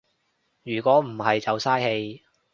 如果唔係就嘥氣